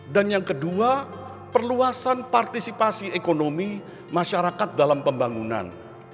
dan yang kedua perluasan partisipasi ekonomi masyarakat dalam pembangunan